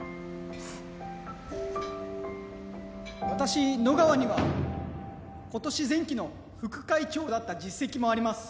私野川には今年前期の副会長だった実績もあります。